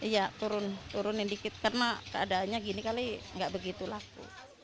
iya turunin dikit karena keadaannya gini kali nggak begitu laku